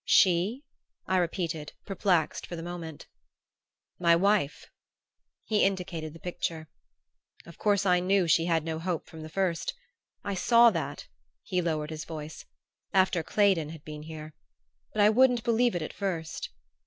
"She?" I repeated, perplexed for the moment. "My wife." He indicated the picture. "Of course I knew she had no hope from the first. I saw that" he lowered his voice "after Claydon had been here. But I wouldn't believe it at first!"